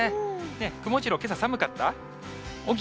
くもジロー、けさ寒かった？